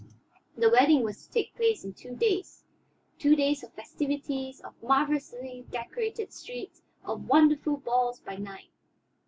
The wedding was to take place in two days; two days of festivities, of marvelously decorated streets, of wonderful balls by night.